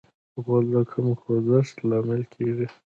غول د کم خوځښت لامل کېږي.